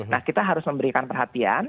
nah kita harus memberikan perhatian